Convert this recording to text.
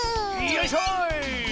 よいしょ！